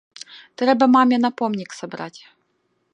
Трэба маме на помнік сабраць.